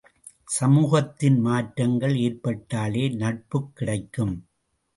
சமூகத்தின் மாற்றங்கள் ஏற்பட்டாலே நட்புக் கிடைக்கும்!